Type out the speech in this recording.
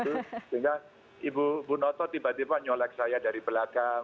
sehingga ibu noto tiba tiba nyelek saya dari perhatian